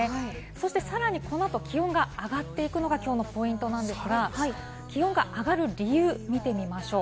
さらにこの後、気温が上がっていくのが今日のポイントなんですが、気温が上がる理由を見てみましょう。